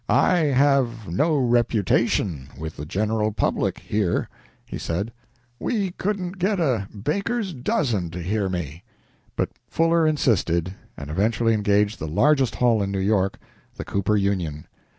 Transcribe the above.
"I have no reputation with the general public here," he said. "We couldn't get a baker's dozen to hear me." But Fuller insisted, and eventually engaged the largest hall in New York, the Cooper Union.